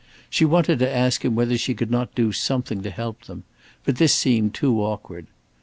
She wanted to ask him whether she could not do something to help them, but this seemed too awkward.